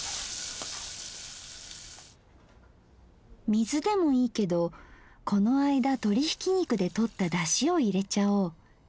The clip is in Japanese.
水でもいいけどこの間鶏ひき肉でとっただしを入れちゃおう。